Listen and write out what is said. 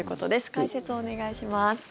解説をお願いします。